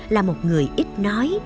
là một người ít nói